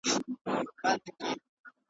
که بیرغ د احمدشاه دی که شمشېر د خوشحال خان دی .